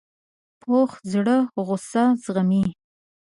پوخ زړه غصه زغمي